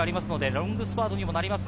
ロングスパートになります。